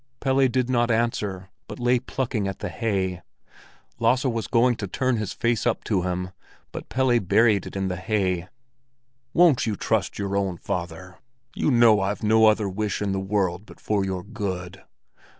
Pelle did not answer, but lay plucking at the hay. Lasse was going to turn his face up to him, but Pelle buried it in the hay. "Won't you trust your own father? You know I've no other wish in the world but for your good!"